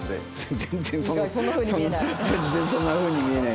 全然そんなふうに見えない。